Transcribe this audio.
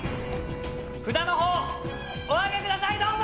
イ里曚お上げくださいどうぞ！